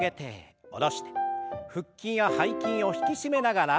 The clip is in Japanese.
腹筋や背筋を引き締めながら。